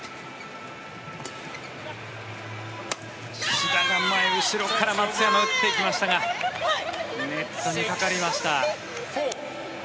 志田が前、後ろから松山打っていきましたがネットにかかりました。